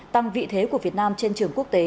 tăng vị thế của việt nam trên trường quốc tế